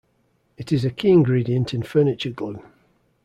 It is a key ingredient in furniture glue.